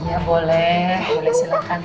iya boleh boleh silahkan tante